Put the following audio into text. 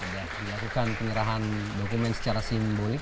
dan diakukan penyerahan dokumen secara simbolis